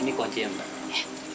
ini kuantian pak